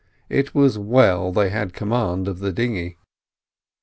It was well they had command of the dinghy.